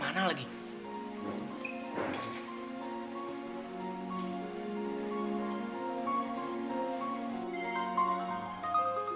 aduh herma kesini ya